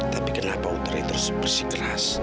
tapi kenapa utari terus bersikeras